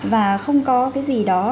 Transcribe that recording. và không có cái gì đó